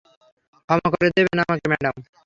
ক্ষমা করে দেবেন আমাকে, ম্যাডাম!